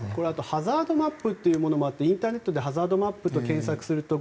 ハザードマップというものもあってインターネットでハザードマップと検索するとね。